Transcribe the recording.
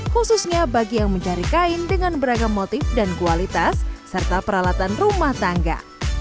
khususnya bagi yang mencari kain dengan beragam motif dan kualitas serta peralatan rumah tangga